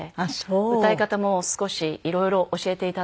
歌い方も少しいろいろ教えていただいて。